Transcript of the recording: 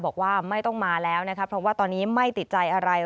บอกว่าไม่ต้องมาแล้วนะคะเพราะว่าตอนนี้ไม่ติดใจอะไร